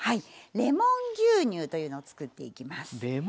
レモン牛乳というのを作っていきます。